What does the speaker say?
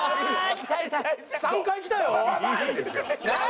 ３回来たよ。